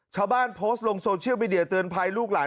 โพสต์ลงโซเชียลมีเดียเตือนภัยลูกหลาน